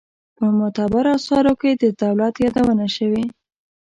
په معتبرو آثارو کې د دولت یادونه شوې.